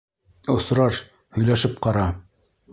Осраш, һөйләшеп ҡара!